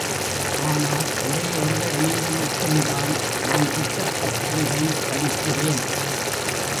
ஆனால் ஒரே ஒருவர் மீது மட்டும்தான் நான் குற்றப்பத்திரிகை படிக்கிறேன்.